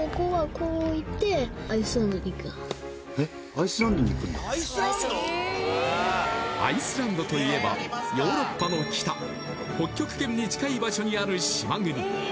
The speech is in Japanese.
そうアイスランドアイスランドといえばヨーロッパの北北極圏に近い場所にある島国